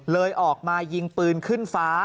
ออกมายิงปืนขึ้นฟ้า